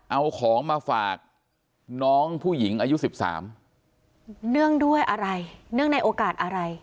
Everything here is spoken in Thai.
เอาของมาฝากน้องผู้หญิงอายุสิบสามเนื่องด้วยอะไรเนื่องในโอกาสอะไร